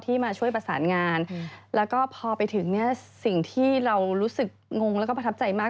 มาช่วยประสานงานแล้วก็พอไปถึงเนี่ยสิ่งที่เรารู้สึกงงแล้วก็ประทับใจมาก